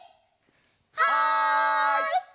はい！